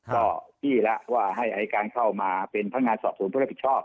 ก็จี้แล้วว่าให้ไอ้การเข้ามาเป็นพังงานสอบศูนย์ภูมิผลผิดชอบ